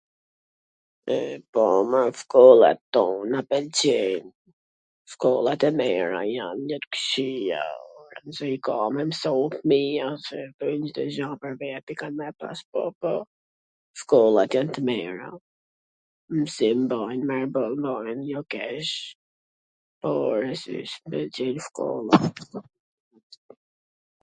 e po ne shkollat tona pwlqejm ... shkolla tw mira jan, jo t kqija, ku i ka me msu fmija se Cdo gja pwr veti ka me e pas, po, po, shkollat jan t mira, msim bojn mirboll, marrin jo keq, po e rwndsishme t jen shkollat .